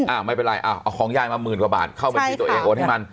ไม่เป็นไรเอาของยายมาหมื่นกว่าบาทเข้าบัญชีตัวเองโอนให้มัน